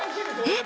えっ！？